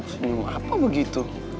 senyum apa begitu